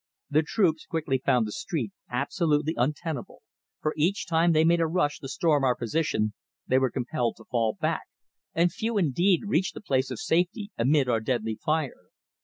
The troops quickly found the street absolutely untenable, for each time they made a rush to storm our position they were compelled to fall back, and few indeed reached a place of safety amid our deadly fire.